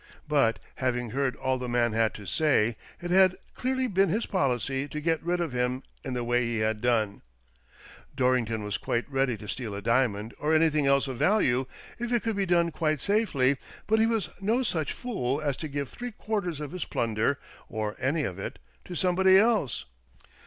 But, having heard all the man had to say, it had clearly been his policy to get rid of him in the way he had done. Dorrington was quite ready to steal a diamond, or anything else of value, if it could be done quite safely, but he was no such fool as to give three quarters of his plunder — or any of it — to somebody else.